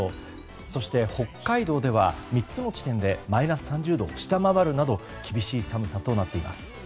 そして、北海道では３つの地点でマイナス３０度を下回るなど厳しい寒さとなっています。